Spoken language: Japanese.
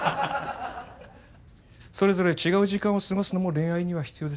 それぞれ違う時間を過ごすのも恋愛には必要です。